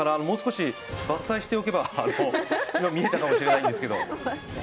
もう少し伐採しておけば見えたかもしれないんですけど。